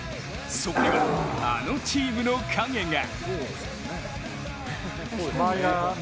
そこには、あのチームの影が。